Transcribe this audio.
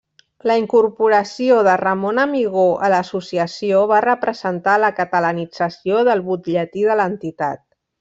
La incorporació de Ramon Amigó a l'Associació va representar la catalanització del butlletí de l'entitat.